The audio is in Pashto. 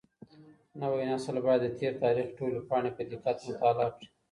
نوی نسل بايد د تېر تاريخ ټولې پاڼې په دقت مطالعه کړي.